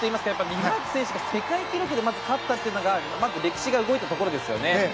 ミラーク選手が世界記録で勝ったというのが歴史が動いたところですよね。